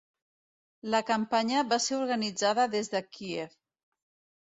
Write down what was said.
La campanya va ser organitzada des de Kíev.